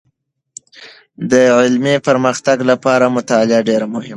د علمي پرمختګ لپاره مطالعه ډېر مهمه ده.